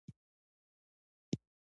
د ځمکې د ملکیت اسناد لرئ؟